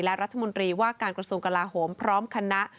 และรัฐมนตรีว่าการกระทรวงกลาโหมพร้อมคณะ